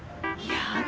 やだ